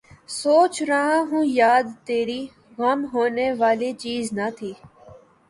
سوچ رہا ہوں یاد تیری، گم ہونے والی چیز نہ تھی